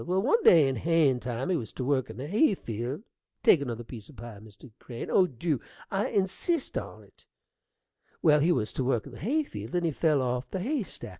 Well, one day in hayin' time he was to work in the hay field take another piece o' pie, Mr. Crane: oh, dew! I insist on't well, he was to work in the hay field, and he fell off the hay stack.